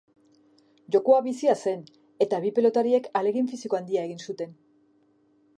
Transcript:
Jokoa bizia zen, eta bi pilotariek ahalegin fisiko handia egin zuten.